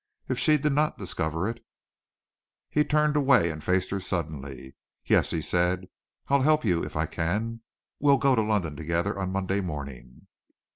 If she did not discover it He turned away and faced her suddenly. "Yes!" he said, "I'll help you if I can. We'll go to London together on Monday morning."